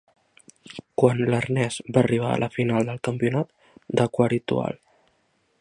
Quan l'Ernest va arribar a la final del campionat d'Aquaritual.